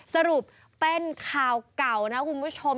สรุปเป็นข่าวเก่านะคุณผู้ชม